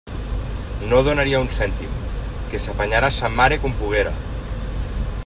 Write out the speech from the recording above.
No donaria un cèntim; que s'apanyara sa mare com poguera.